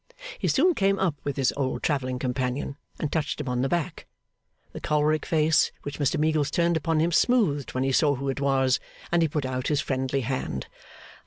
He soon came up with his old travelling companion, and touched him on the back. The choleric face which Mr Meagles turned upon him smoothed when he saw who it was, and he put out his friendly hand.